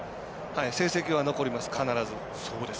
成績は残ります、必ず。